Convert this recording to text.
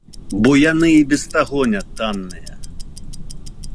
Бо яны і без таго нятанныя.